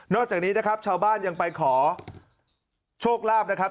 จากนี้นะครับชาวบ้านยังไปขอโชคลาภนะครับ